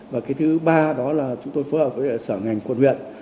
và cái thứ ba đó là chúng tôi phối hợp với sở ngành quận huyện